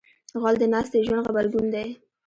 غول د ناستې ژوند غبرګون دی.